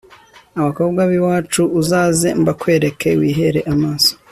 abakobwa b'iwacu uzaze mbakwereke wihere amaso